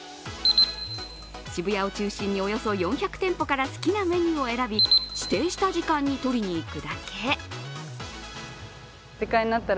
渋谷を中心におよそ４００店舗から好きなメニューを選び、指定した時間に取りに行くだけ。